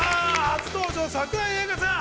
初登場、桜井玲香さん。